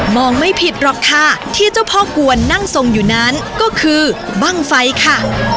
ไม่ผิดหรอกค่ะที่เจ้าพ่อกวนนั่งทรงอยู่นั้นก็คือบ้างไฟค่ะ